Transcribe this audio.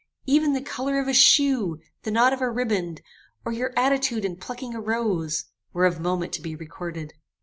Even the colour of a shoe, the knot of a ribband, or your attitude in plucking a rose, were of moment to be recorded.